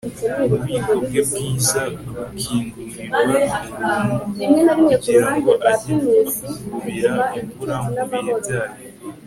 Ububiko bwe bwiza bukingurirwa ubuntu kugira ngo ajye akuvubira imvura mu bihe byayo